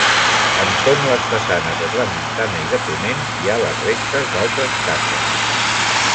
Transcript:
Entorn les façanes de tramuntana i de ponent hi ha les restes d'altres cases.